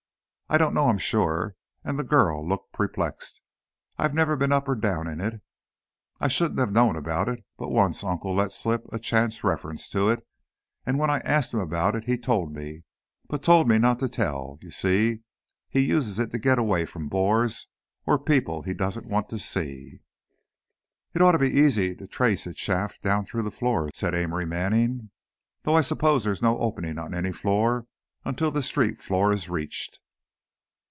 "I don't know, I'm sure," and the girl looked perplexed. "I've never been up or down in it. I shouldn't have known of it, but once Uncle let slip a chance reference to it, and when I asked him about it, he told me, but told me not to tell. You see, he uses it to get away from bores or people he doesn't want to see." "It ought to be easy to trace its shaft down through the floors," said Amory Manning. "Though I suppose there's no opening on any floor until the street floor is reached."